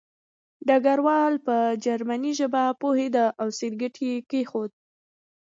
ډګروال په جرمني ژبه پوهېده او سګرټ یې کېښود